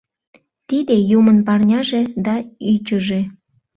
Тиде Юмын парняже да ӱчыжӧ.